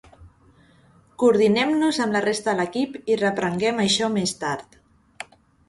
Coordinem-nos amb la resta de l'equip i reprenguem això més tard.